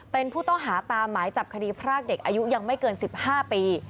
เป็นผู้ต้องหาตามหมายจับคดีพรากเด็กอายุยังไม่เกิน๑๕ปี